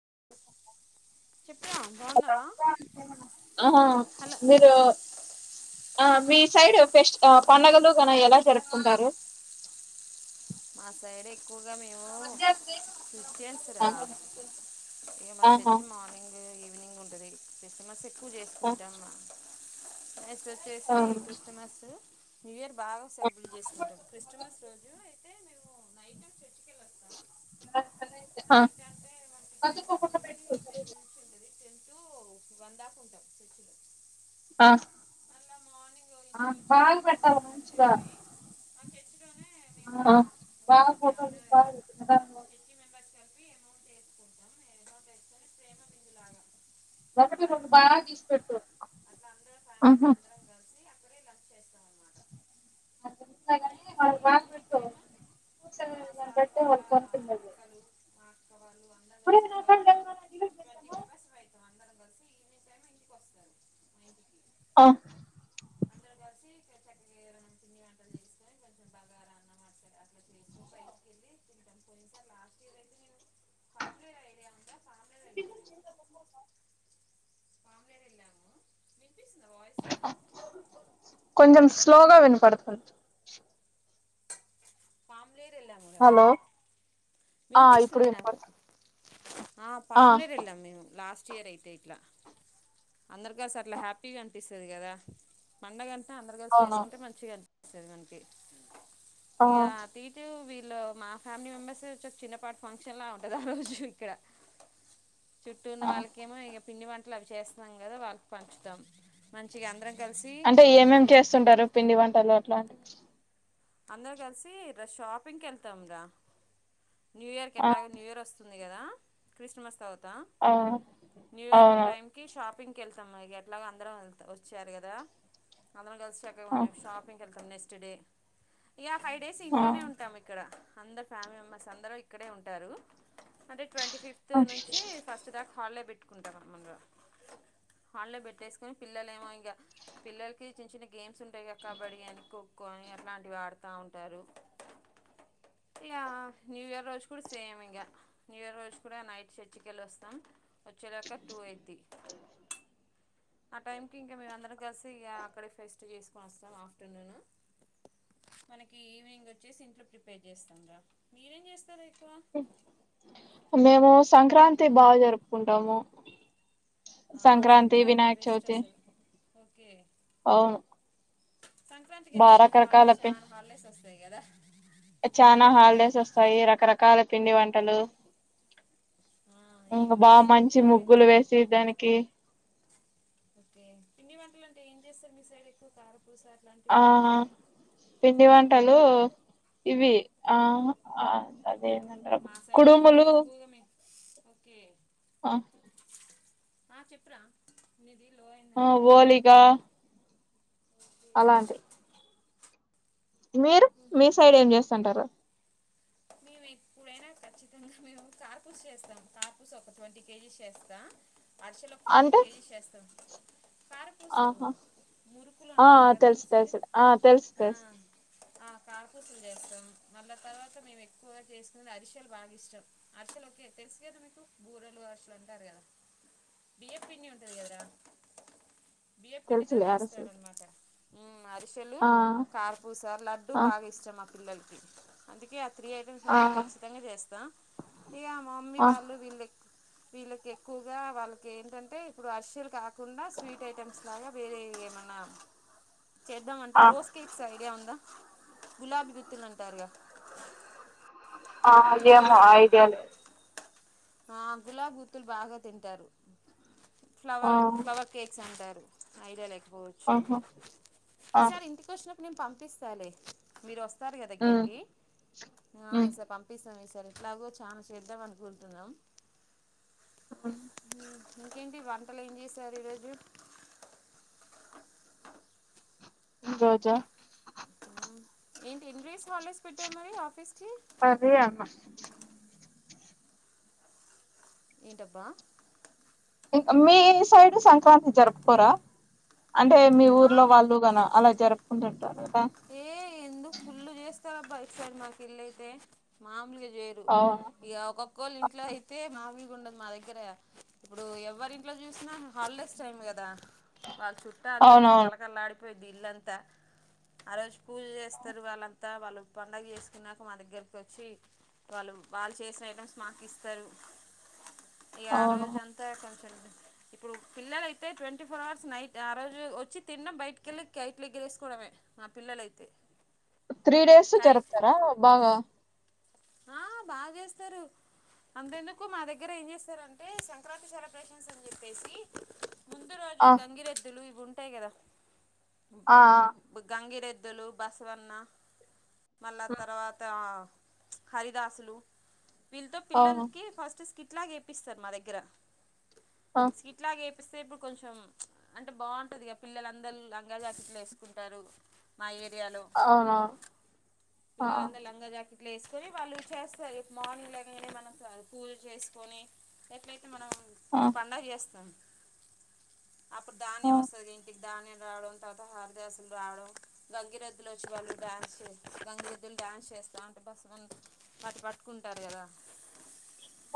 [inaudible] చెప్ప ఆహా హలో మీరు ఆ మీ సైడ్ ఫెస్ట్ ఆ పండగలు గన ఎలా జరుపుకుంటారు మా సైడ్ ఎక్కువగా మేము క్రిస్టియన్స్ రా ఇగ మా ఆహా చర్చి మార్నింగ్ ఈవినింగ్ ఉంటది క్రిస్టమస్ ఎక్కువ ‌ ఆ చేసుకుంటాం నేక్ట్స్ ఒచ్చేసి క్రిస్టమసూ న్యూ ఇయర్ బాగా సెలబ్రేట్ చేసుకుంటాం క్రిస్టమస్ రోజు అయితే మేము నైటు చ హ చర్చూ ‌వన్ దాక వంటది ఆ ఆ బాగ పెట్టాల్ల మంచిగా ఆ ఆ బాగా ఫొటో [unintelligible] ఎమౌంట్ ఏసుకుంటం ఎమౌంట్ ఏసుకొని ప్రేమ బిందులాగా ఒకటి రెండు బాగా తీసి పెట్టు ఆహ ఆడ దొరుకుతాయ్ గాని [unintelligible] [inaudible] కాదా ట్వంటీ మెంబెర్స్ ఫ్రైజ్ అమా ఈవినింగ్ టైమ్ ఇంటికి ఒస్తారు మా ఇంటికి [inaudible] ఆ అందరు కలిసి చక్కెచక్కర పిండి వంటలు చేసుకొని కొంచెం బగార హా సరే అట్లా చేస్తూ బయకి వెళ్ళి తింటాం పోయిన సారి లాస్ట్ ఇయర్ అయితే నేను [inaudible] [unintelligible] [inaudible] కొంచం స్లోగ వినపడుతుంది హలో ఆ ఇప్పుడు వినిపిస్తుంది నాకు వినపడుతుంది ఆ పామ్లేట్ ఎళ్ళాం మేము లాస్ట్ చియరు అయితే ఇట్లా అందరికలిసి అట్లా హ్యాపీగా అనిపిస్తది కదా పండగ అం అందరు గలిసి అవును చేసుకుంటే మంచిగా అనిపిస్తది మనకి ఆ ఇక అటు ఇటు వీళ్ళు మా ఫ్యామిలీ మెంబర్స్ చిన్న పాటు ఫంక్షన్ లా ఉంటది ఆ రోజు ఇక్కడ చుట్టూ ఉన్న ఆ వాళ్ళకెమో ఇగ పిండి వంటలు అవి చేస్తున్నాం కదా వాళ్ళకి పంచుతాం మంచిగా అందరం కలిసి అంటె ఏమేం చేస్తుంటారు పిండి వంటలు అట్లాంటివి. అందరు కల్సి ర షాపింగ్ కెళ్తం రా న్యూ ఇయర్ ఆ ఎట్టాగొ న్యూ ఇయర్ వస్ ఉంది కదా క్రిస్టమస్ తర్వాత ఆ న్యూ ఇయర్ అవును టైమ్ కి షాపింగ్. కెళ్తాం ఎట్లాగ అందరం ఎల్త వచ్చారు కదా అందరం కల్సి చక్కగా ఆ కొంచెం షాపింగ్కి ఎళ్తాం అనేస్ టుడే ఇగా ఫైవ్ డేస్ ఆ ఇంట్లోనే ఉంటాం ఇక్కడ అందర్ ఫ్యామిలీ మెంబె. ర్స్ అందరం ఇక్కడే ఉంటారు అంటే ట్వంటి ఫిఫ్త్ ఆ నుంచి ఫస్ట్ దాక. హాళ్ళో బెట్టుకుంటాం అందంగా హాల్లో పెట్టేస్కొని పిల్లలు ఏమో ఇగ పిల్లలకి చిన్న గేమ్స్ ఉంటాయ్ గ కబడ్డీ అని ఖోఖో ఎట్లాంటివి ఆడుతా ఉంటారు. అ యా న్యూ ఇయర్ రోజు కూడా సేమ్ ఇంగ న్యూ ఇయర్ రోజు కూడా నైట్ చర్చ కెళ్ళి వస్తాం వచ్చే లోక టూ వైర్ తీ ఆ టైమ్ కి ఇంక మేము అందరం కలిసి ఇగ అక్కడే ఫెస్ట్ చేస్కొని వస్తాం ఆఫ్టర్నూను. మనకి ఈవినింగ్ వచ్చేసి ఇంట్లో ప్రిపేర్ చేస్తాం రా మీరేం చేస్తారు ఇట్లో మేము సంక్రాంతి బాగా జరుపుకుంటాము సంక్రాంతి బెస్ట్ వినాయకచవితి. అసలు ఓకే అవును సంక్రాంతికె బా చక్కగా రకరకాల హాల్డేస్ పి చాన హాల్ డేస్ వస్తాయ్ కదా. చానా హాల్ డేస్ వస్తాయి రకరకాల పిండి వంటలు. ఇంగ ఏమి బా వంటలు మంచి అంటే ముగ్గులు వేసి దానికి. ఓకే పిండి వంటలు అంటే ఏం చేస్తారు మీ సైడ్ ఎక్కువ కారం. ఆ.. పిండి వన్ టలు ఇవి ఆ.. ఆ ఎదంటావ్ కుడుములు ఓకే హ ఆ చెప్పురా నీది ఆ... ఓలీకా అలాంటి మీరు మీ ఆహా సైడ్ ఏం జేస్తుంటరు. ఇప్పుడైనా ఖచ్చితంగా మేము కార్పూస చేస్తాం కార్పుస ఒక ట్వంటీ కేజీస్ చేస్తా. అరసెలు ఒక ఫిఫ్టీన్ అంటే కేజీస్ చేస్తాం. కారపూసలు ఆహా మురుకులు ఆ అంటారు కదా మీ తెల్స్ సైడ్ తెల్స్ లుట ఆ తెల్స్ ఆ, తెల్స్. ఆ కార్పుసలు జేస్తాం మళ్ళ తర్వాత మేమే. ఒకరు జేస్కున అరిశలు బాగా ఇష్టం అరిసెలు ఒకే తెలుసు కదా మీకు బూరెలు అరుస్లు అంటారు కదా. బియ్యపిండి ఉంటది కద్రా బియ్యపిండితో తెలుసులే అరిసెలు చేస్తారనమాట. మ అరిసెలు ఆ కార్పూస లడ్డు ఆ బాగా ఇష్టం మా పిల్లలకి అందుకే. త్రీ ఐటమ్స్ ఆ మాత్రం ఖచ్చితంగా చేస్తా ఇగ మా మమ్మీ ఆ వాళ్ళు వీళ్ళ. వీళ్ళకి ఎక్కువగా వాళ్ళకి ఏంటంటే ఇప్పుడు అర్షెలు కాకుండా స్వీట్ ఐటెమ్స్ లాగా వేరే. ఎమన్నా చేద్దాం అంటే ఆ రోస్ కేక్స్ ఐడియా ఉంద గులాబీ గుత్తులు అంటారుగా. హాడ్లియా పిల్లలు ఐడియ లేదు. ఆ గులాబ్ గుత్తులు బాగా తింటారు. ఆ ఫ్లవర్ ఫ్లవర్ కేక్స్ అంటారు ఐడియా ఎక్ వచ్చు ఆహా ఆ ఈసారి ఇంటి కచ్చనప్పుడు నేను పంపిస్తాలే మీరు వస్త ారు కదా ఉమ్ ఇక్కడికి హ ఉమ్ ఈసారి సారి ఎట్లాగో చాలా చేద్దాం అనికుంటునం ఆ ఇంకేంటి వంటలు ఏం చేశారు ఈరోజు ఈరోజా ఏంటి ఎండ్రీస్ హాలిడేస్ పెట్టావ్ మరి ఆఫీస్ కి కర్రీ అన్న ఏంటబ్బా ఇ మీ సైడ్ సంక్రాంతి జరుపుకోర. అంటే మీ ఆ ఊర్లో వాళ్ళు గన అలా జరుపుకుంటుంటారు. కదా ఏ ఎందుకు ఫుల్ చేస్తారబ్బ ఎటుసైడ్ మాకి ఇల్లుయితే మామూలుగ ఏరు అవును ఇగ ఒక్కొకోళ్ళ ఇంట్లో అయితే మాము ఉండదు మా దగ్గర ఇప్పుడు ఎవ్వరి ఇంట్లో చూసినా హాలిడేస్ టైమ్ గద వాల్ చుట్టతో అవునవును కళకళ లడిపోయిద్ది ఇల్లంతా ఆ రోజు పూజ చేస్తారు వాళ్ళంత వాళ్ళు పండుగ చేసుకున్నాక మా దగ్గరకి వచ్చి వాళ్ళు వాళ్ చేసిన ఐటమ్స్ మాకు ఇస్తారు [inaudible] ఇగ ఆ అవును రోజంత కొంచెం [inaudible] ఇప్పుడు పిల్లల అయితే ట్వంటీ ఫోర్ అవర్స్ నైట్ ఆ రోజు వచ్చి తినడం బయటికెళ్లి కైట్ ఎగిరేసుకోవడమే మా పిల్లలైతే త్రీ డేస్ జరుపుతర బాగ అ బాగేస్తారు అంతేందుకు మా దగ్గర ఏం చేస్తరంటే సంక్రాంతి సెలబ్రేషన్స్ అని చెప్పేసి ముందు రోజే ఆ గంగిరెద్దులు ఇవి ఉంటాయి కదా అ అ గంగిరెద్దులు బసవన్న మళ్ళ తర్వాత హరిదాసులు వీల్తో అవును పిల్లలకి ఫస్ట్ స్కి ట్లయేపిస్తారూ మా దగ్గ ఆ ఇట్లాగే చస్తే ఇప్పుడు కొంచెం అంటే బాగుంటది ఇ పిల్లందరు లంగాలు జాకెట్లు వేసుకుంట మా ఏరియాలో అవునవును ఆ పిల్లలందరు లంగా జాకెట్ ఇట్ల వేసుకొని వాళ్ళు చేస్తారు మార్నింగ్ లేవగానే మన పూజ చేసుకొని ఎట్ల మనం ఆ పండగ జేస్తాం అప్పుడ్ ఆ ధాన్యం వస్తది ఇంటికి ధాన్యం రావడం తర్వాత హ దసులు రావడం గంగిరెద్దులు వచ్చి వాళ్ళు డ్యాన్స్ గంగిరెద్దులు డ్యాన్స్ చేస్తా అంటే బస్ వాటి పట్టుకుంటారు గదా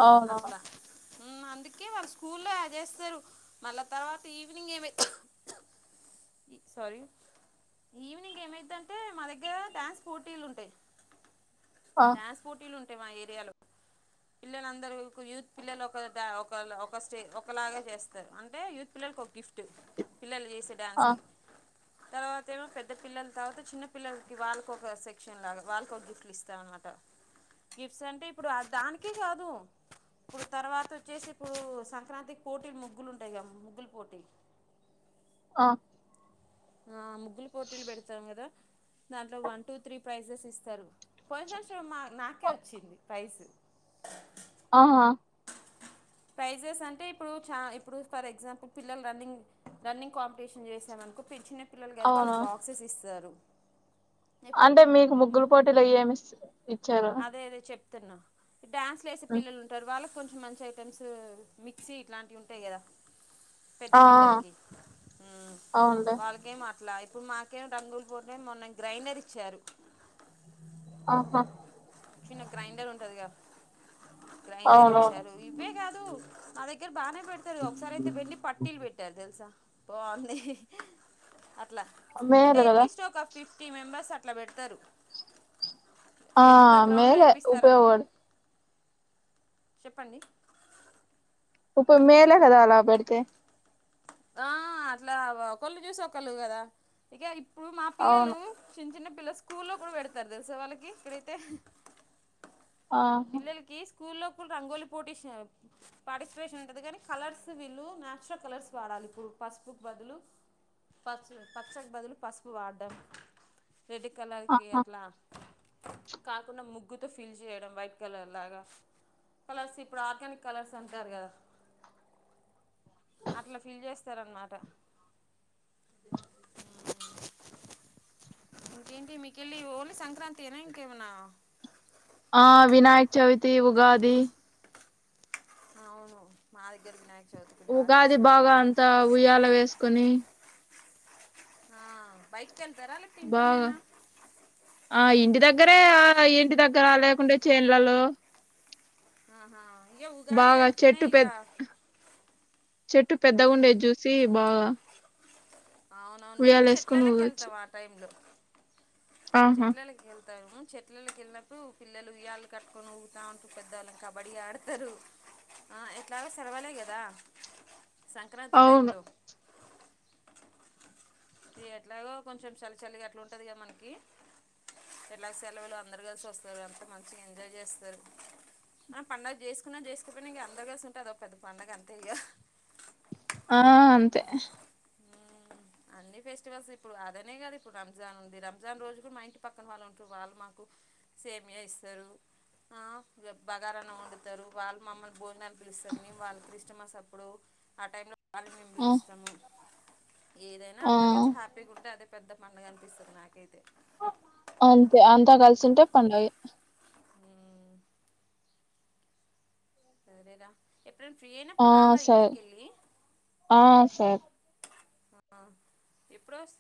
అవున అందుకే వాల్ స్కూల్లో చేస్తారు మళ్ళా తర్వాత ఈవినింగ్ ఏమ సారీ ఈవినింగ్ ఏమైధీ అంటే మా దగ్గర డాన్స్ పోటీలు ఉంటయి ఆ డ్యాన్స్ పోటీలు ఉంటాయి మా ఏరియాలో పిల్లలందరు ఒక యూత్ పిల్లలు ఒక స్టే ఒకలాగా చేస్తారు అంటే యూత్ పిల్లలలకు ఒక గిఫ్ట్ టు పిల్లలు చేసే డ్యాన్స్ ఆ కి తర్వాత ఏమో పెద్ద పిల్లల్ తర్వాత చిన్న పిల్లలకి వాళ్ళకి ఒక సెక్షన్ లాగా వాళ్ళకి ఒక గిఫ్ట్లు ఇస్తామ అన్నమాట ట గిఫ్ట్స్ అంటే ఇప్పుడు అ దానికే కాదు ఇప్పుడు తర్వాత వచ్చేసి ఇప్పుడు సంక్రాంతికి పోటీలు ముగ్గులు ఉంటాయి గా ముగ్గులు పోటీ అ అ ముగ్గులు పోటీలు పెడతాం గదా దాంట్లో వన్ టూ త్రీ ప్రైజెస్ ఇస్తారు పోయిన సంవత్సరం మా నాకే వచ్చింది ప్రైస్ అ హా ప్రైజెస్ అంటే ఇప్పుడు చా ఇప్పుడు ఫర్ ఎగ్జాంపుల్ పిల్లలు రన్నింగ్ రన్నింగ్ కాంపిటీషన్ చేసామం ఇంకో ప్ చిన్న పిల్లలు గదా అవునా వాళ్ళకి బాక్సెస్ ఇస్తారు. ఇప్పుడు అంటే మీకు ము ముగ్గులు పోటీలు ఏమిస్ అదే అదే చెప్తున్నా డ్యాన్స్లు వేసే పిల్లలు ఉంటారు, వాళ్ళకి కొం మంచి ఐటెమ్స్ మిక్సీ ఇట్లాంటివి ఉంటాయి గదా పెద్ద ఆ ఆ పిల్లల్కి హ్మ్ అవునులే వాళ్ళకేం అట్ల ఇప్పుడు మాకేం రంగులు పోటీ మొన్న గ్రైండర్ ఇచ్చారు. ఆహా చిన్న గ్రైండర్ ఉంటదిగా గ్రైండర్ అవునవును ఇచ్చారు ఇవ్వే కాదు మా దగ్గర బాగానే పెడతారు. ఒకసారి అయితే వెండి పట్టీలు పెట్టారు. తెల్సా ఒర్ నీ అట్లా అంటే మేలు కదా అట్లీస్ట్ ఒక ఫిఫ్టీ మెంబెర్స్ అట్ అట్లా పెడతారు ఆ పెద్ద గ్రౌండ్లో మేలే వేపిస్తారని ఉపయోగపడు చెప్పండి ఇప్పు మేలే కదా అలా పెడితే? ఆ అట్లా ఒకళ్ళు చూసి ఒకళ్ళు కదా ఇకే కి ఇప్పుడు మా పిల్లలు అవును చిన్న చిన్న పిల్ల స్కూల్లో కూడా పెడతారు తెలుసా వాళ్ళకి ఇక్కడైతే ఆ హ స్కూల్లోప్పుడు రంగోలీ పోటీష్ పార్టిసిపేషన్ ఉంటది, కానీ కలర్స్ వీళ్ళు నేచురల్ కలర్స్ వాడా ఇప్పుడు పసుపుకు బదులు పసు పచ్చకు బదులు పసుపు వాడ్డం. రెడ్ కలర్ కి ఆహా అట్లా కాకుండా ముగ్గుతో ఫిల్ చేయడం వైట్ కలర్ లాగా కలర్స్ ఇప్పుడు ఆర్గానిక్ కలర్స్ అంటారు కదా? అట్లా ఫిల్ చేస్తారన్నమాట. ఇంకేంటి మీకెళ్ళి ఓన్లీ సంక్రాంతి ఏనా ఇంకేమన్నా ఆ వినాయక్ చవితి, ఉగాది అవును మా దెగ్గరి వినాయక్ ఉగాది బాగా అంతా ఉయ్యాల వేసుకొని ఆ బైక్ బాగా ఆ ఇంటి దగ్గరే ఆ ఇంటి దగ్గర లేకుంటే చేన్లలో ఆహా ఇక ఉగాది బాగా అంటనే చెట్టు ఇగ పె చెట్టు పెద్దగ ఉండేది చూసి బాగా అవునవును ఉయ్యాల మేము వేసుకొని చెట్లలోకి ఊగొచ్చు వెళ్తాం ఆ టైమ్లొ ఆహా చెట్లేలే కెల్ తాము. చెట్లలోకి వెళ్ళినప్పుడు పిల్లలు ఉయ్యాళు కట్టుకొని ఊగుతా ఉంటూ పెద్దవాళ్ళ కబడ్డీ ఆడతరు. ఆ ఎట్లాగ సెలవలే కదా సంక్రాంతి టైం అవును లో ఇక ఎట్లాగో కొంచెం చలి చలిగా అట్లుంటదిగా మనకి ఎట్లాగో సెలవలు అందరు కలిసి వస్తారు. అంత మంచిగా ఎంజాయ్ చేస్తారు. ఆ పండుగ చేసుకున్నా చేసుకోపొయినా ఇంకా అందరు కలిసి ఉంటే అదో పెద్ద పండుగ అంతే ఇగ ఆ అంతే అన్ని ఫెస్టివల్స్ ఇప్పుడు అదనే కాదు ఇప్పుడు రంజాన్ ఉంది రంజాన్ రోజు కూడా మా ఇంటి పక్కన వాళ్ళు ఉంటు వాల్ మాకు సేమియా ఇస్తారు. ఇగ బగారాన్ని వండుతరు వాళ్ళు మమ్మల్ని భోజనా పిలుస్తాము మేము వాళ్ళకి క్రిష్టమస్ అప్పుడు ఆ టైం లో వాళ్ళు మేము ఆ పిలుస్తము. ఏదైనా ఆ అందరు కలిసి హ్యాపీగా ఉంటే అదే పెద్ద పండుగ అనిపిస్తది, నాకైతే అంతే అంతా కలిసి ఉంటే పడుగే ఉమ్, సరేర, ఎప్ ఆ సార్ ఆ సార్ ఆ ఎప్పుడోస్